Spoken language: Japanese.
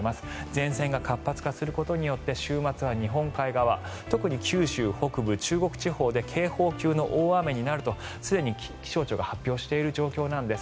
前線が活発化することによって週末は日本海側特に九州北部、中国地方で警報級の大雨になるとすでに気象庁が発表している状況なんです。